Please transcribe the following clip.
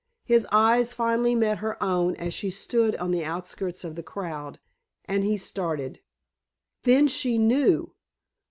His eyes finally met her own as she stood on the outskirts of the crowd, and he started. Then she knew.